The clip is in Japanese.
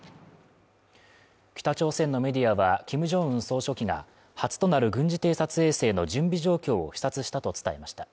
北朝鮮のメディアはキム・ジョンウン総書記が初となる軍事偵察衛星の準備状況を視察したと伝えました。